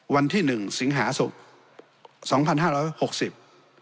วันที่หนึ่งสิงหาศุกร์สองพันห้าร้อยหกสิบ